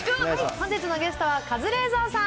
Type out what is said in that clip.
本日のゲストはカズレーザーさん。